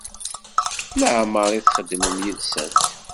Laɛmeṛ i txedmem yid-sent?